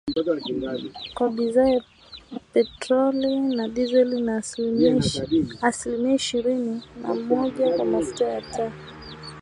kwa bidhaa ya petroli na dizeli na asilimia ishirini na moja kwa mafuta ya taa